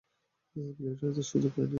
মিলিটারিতে সুযোগ পায়নি সে।